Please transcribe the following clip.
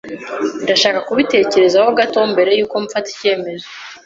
Ndashaka kubitekerezaho gato mbere yuko mfata icyemezo.